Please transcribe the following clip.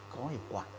có hiệu quả